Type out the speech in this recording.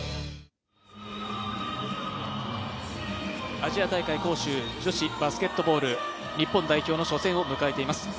アジア大会杭州女子バスケットボール日本代表の初戦を迎えています。